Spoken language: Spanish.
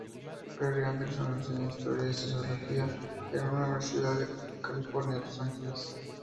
Perry Anderson enseña Historia y Sociología en la Universidad de California, Los Angeles.